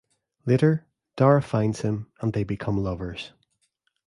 Later, Dara finds him, and they become lovers.